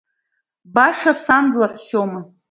Баша сан длаҳәшьома.